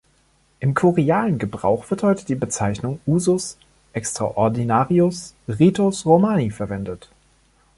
Im kurialen Gebrauch wird heute die Bezeichnung "usus extraordinarius ritus Romani" verwendet.